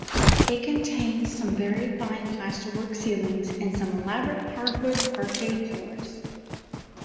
It contains some very fine plasterwork ceilings and some elaborate hardwood parquet floors.